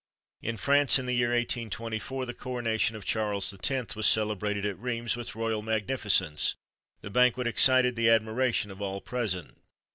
In France, in the year 1824, the coronation of Charles X. was celebrated at Rheims with royal magnificence; the banquet excited the admiration of all present.